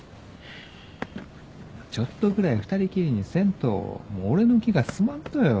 ちょっとぐらい２人きりにせんともう俺の気が済まんとよ。